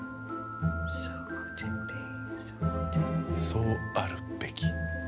「そうあるべき」。